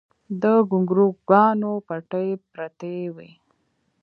د ګونګروګانو پټۍ پرتې وې